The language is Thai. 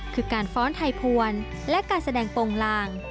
คือการฟ้อนไทยพวนและการแสดงโปรงลาง